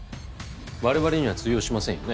我々には通用しませんよね。